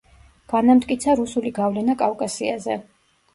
განამტკიცა რუსული გავლენა კავკასიაზე.